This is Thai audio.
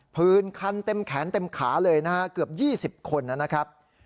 พื้นคันเต็มแขนเต็มขาเลยนะฮะเกือบ๒๐คนนะครับ